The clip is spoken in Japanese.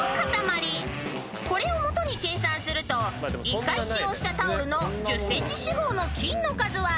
［これを基に計算すると１回使用したタオルの１０ｃｍ四方の菌の数は］